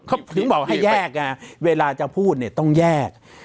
เขาถึงบอกให้แยกเวลาจะพูดเนี่ยต้องแยก